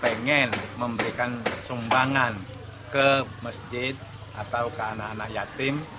pengen memberikan sumbangan ke masjid atau ke anak anak yatim